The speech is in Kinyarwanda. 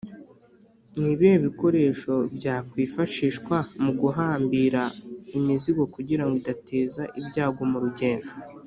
ni bihe bikoresho byakwifashishwa mu guhambira imizigo Kugirango idateza ibyago murugendo